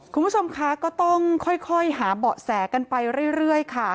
คุณผู้ชมคะก็ต้องค่อยหาเบาะแสกันไปเรื่อยค่ะ